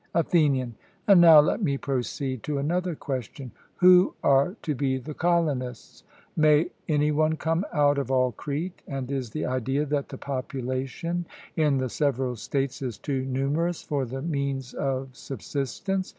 ATHENIAN: And now let me proceed to another question: Who are to be the colonists? May any one come out of all Crete; and is the idea that the population in the several states is too numerous for the means of subsistence?